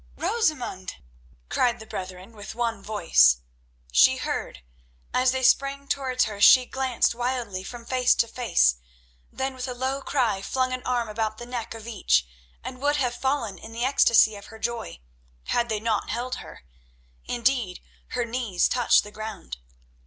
"Rosamund!" cried the brethren with one voice. She heard. As they sprang towards her she glanced wildly from face to face, then with a low cry flung an arm about the neck of each and would have fallen in the ecstacy of her joy had they not held her. Indeed, her knees touched the ground.